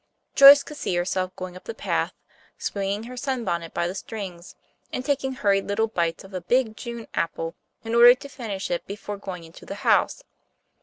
Joyce could see herself going up the path, swinging her sun bonnet by the strings and taking hurried little bites of a big June apple in order to finish it before going into the house.